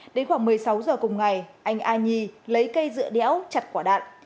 đến khoảng một mươi sáu h cùng ngày anh a nhi lấy cây dựa đéo chặt quả đạn